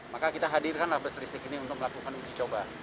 maka kita hadirkan labas listrik ini untuk melakukan ujicoba